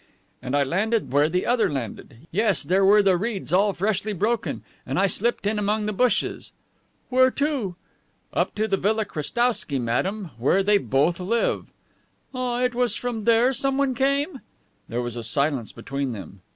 "And I landed where the other landed. Yes, there were the reeds all freshly broken. And I slipped in among the bushes." "Where to?" "Up to the Villa Krestowsky, madame where they both live." "Ah, it was from there someone came?" There was a silence between them.